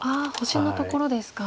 星のところですか。